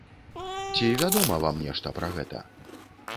Ці вядома вам нешта пра гэта?